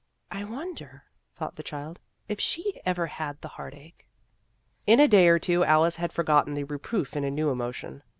" I wonder," thought the child, " if she ever had the heartache." In a day or two Alice had forgotten the reproof in a new emotion.